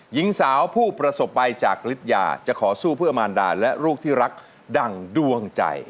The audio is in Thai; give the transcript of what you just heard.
หญิงสาวผู้ประสบภัยจากฤทยาจะขอสู้เพื่อมารดาและลูกที่รักดั่งดวงใจ